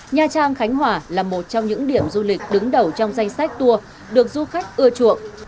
nha trang khánh hòa là một trong những điểm du lịch đứng đầu trong danh sách tour được du khách ưa chuộng